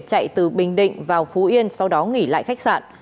chạy từ bình định vào phú yên sau đó nghỉ lại khách sạn